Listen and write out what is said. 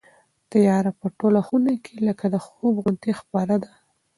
تیاره په ټوله خونه کې لکه د خوب غوندې خپره ده.